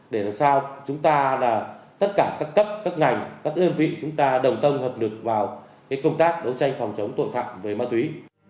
để làm sao chúng ta là tất cả các cấp các ngành các đơn vị chúng ta đồng tâm hợp lực vào công tác đấu tranh phòng chống tội phạm về ma túy